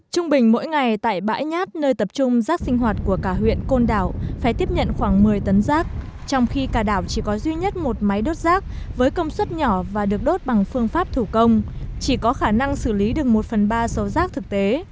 trung bình mỗi ngày tại bãi nhát nơi tập trung rác sinh hoạt của cả huyện côn đảo phải tiếp nhận khoảng một mươi tấn rác trong khi cả đảo chỉ có duy nhất một máy đốt rác với công suất nhỏ và được đốt bằng phương pháp thủ công chỉ có khả năng xử lý được một phần ba số rác thực tế